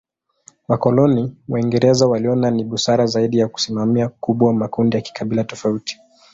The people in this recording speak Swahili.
Wakoloni Waingereza waliona ni busara zaidi ya kusimamia kubwa makundi ya kikabila tofauti.